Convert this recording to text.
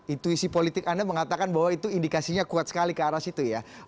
itu isi politik anda mengatakan bahwa itu indikasinya kuat sekali ke arah situ ya